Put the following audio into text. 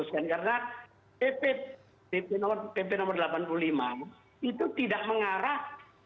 karena pp no delapan puluh lima itu tidak mengarah